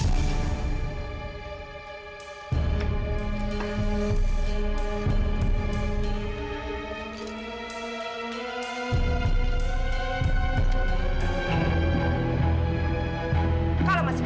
kalau masih kurang saya tambah lagi nih